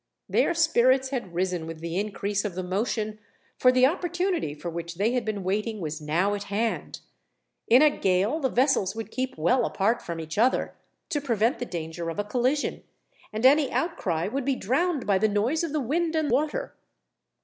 Their spirits had risen with the increase of the motion, for the opportunity for which they had been waiting was now at hand. In a gale the vessels would keep well apart from each other, to prevent the danger of a collision, and any outcry would be drowned by the noise of the wind and water.